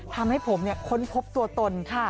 ทำให้ผมค้นพบตัวตนค่ะ